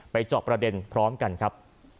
เจาะประเด็นพร้อมกันครับ